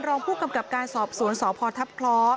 รองผู้กำกับการสอบสวนสพทัพคล้อ